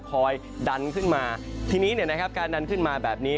คอยดันขึ้นมาทีนี้เนี่ยนะครับการดันขึ้นมาแบบนี้